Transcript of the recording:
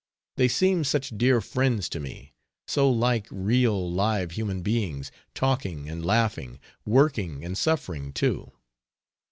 They seem such dear friends to me, so like real live human beings talking and laughing, working and suffering too!